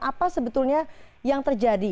apa sebetulnya yang terjadi